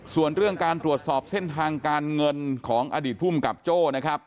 ส่วนเรื่องการตรวจสอบเส้นทางการเงินของอดีตภูมิกับโจ้นะครับ